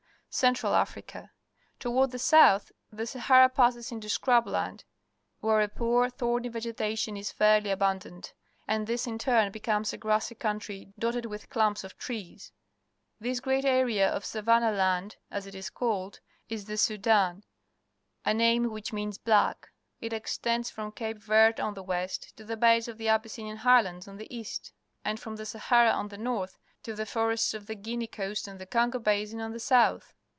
Central Africa. — Toward the south the Sahara passes into scrub land, where a poor, thorny vegetation is fairly abundant, and this in turn becomes a grassy country dotted with clmnps of trees. This great area of savanna land, as it is called, is the Sudan, a name which means black. It extends from Cape Verde on the west to the base of the Abyssinian Highlands on the east, and from the Sahara on the north to the forests of the Guinea coast and the Congo basin on the south.